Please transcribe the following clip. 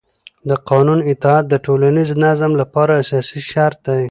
د قانون اطاعت د ټولنیز نظم لپاره اساسي شرط دی